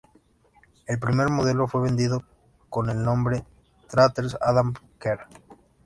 El primer modelo fue vendido con el nombre Tranter-Adams-Kerr.